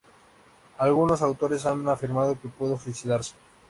Algunos autores han afirmado que pudo suicidarse.